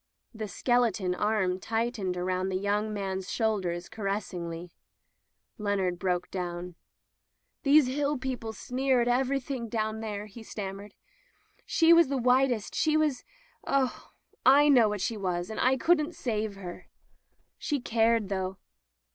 The skeleton arm tightened about the young man's shoulders caressingly Leonard broke down " These Hill people sneer at everything down there," he stanmiered "She was the whitest — she was — Oh! / know what she was — and I couldn't save her She cared, though.